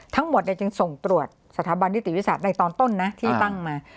ทั้งหมดจึงส่งตรวจสถาบันนิติวิทยาศาสตร์ในตอนต้นนะที่ตั้งมา